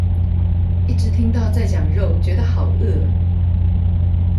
一直聽到在講肉覺得好餓